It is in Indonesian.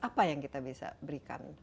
apa yang kita bisa berikan